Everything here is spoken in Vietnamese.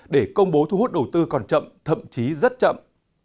để công bố thu hút đầu tư còn chậm thậm chí rất chậm